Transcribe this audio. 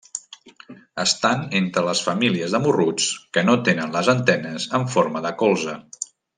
Estan entre les famílies de morruts que no tenen les antenes en forma de colze.